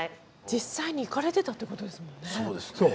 実際に行かれてたっていうことですもんね。